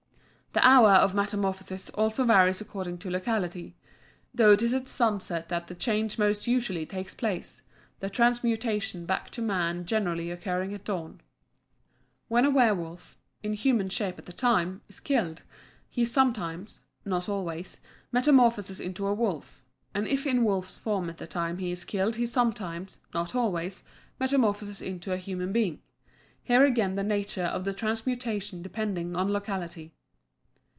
The hour of metamorphosis also varies according to locality though it is at sunset that the change most usually takes place, the transmutation back to man generally occurring at dawn. When a werwolf, in human shape at the time, is killed, he sometimes (not always) metamorphoses into a wolf, and if in wolf's form at the time he is killed he sometimes (not always) metamorphoses into a human being here again the nature of the transmutation depending on locality.